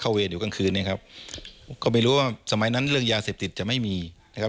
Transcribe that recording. เวรอยู่กลางคืนเนี่ยครับก็ไม่รู้ว่าสมัยนั้นเรื่องยาเสพติดจะไม่มีนะครับ